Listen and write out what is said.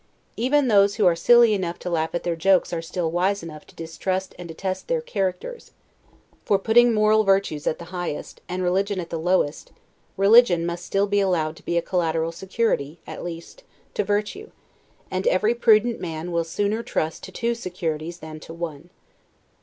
Even those who are silly enough to laugh at their jokes, are still wise enough to distrust and detest their characters; for putting moral virtues at the highest, and religion at the lowest, religion must still be allowed to be a collateral security, at least, to virtue, and every prudent man will sooner trust to two securities than to one.